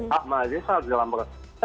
hak mahasiswa di dalam kampus